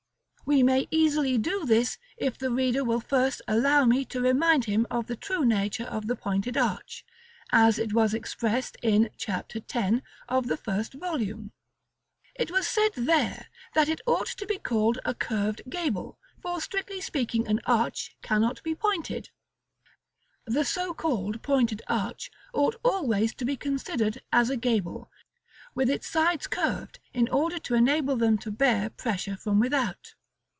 We may easily do this if the reader will first allow me to remind him of the true nature of the pointed arch, as it was expressed in § X. Chap. X. of the first volume. It was said there, that it ought to be called a "curved gable," for, strictly speaking, an "arch" cannot be "pointed." The so called pointed arch ought always to be considered as a gable, with its sides curved in order to enable them to bear pressure from without.